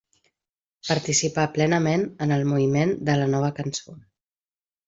Participà plenament en el moviment de la Nova Cançó.